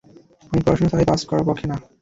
আমি পড়াশোনা ছাড়াই পাস করার পক্ষে না।